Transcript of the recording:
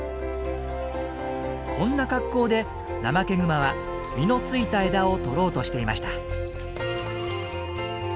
こんな格好でナマケグマは実のついた枝を取ろうとしていました。